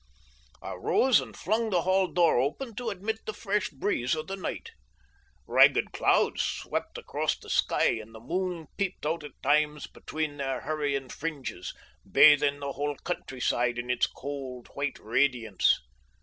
I rose and flung the hall door open to admit the fresh breeze of the night. Ragged clouds swept across the sky, and the moon peeped out at times between their hurrying fringes, bathing the whole countryside in its cold, white radiance.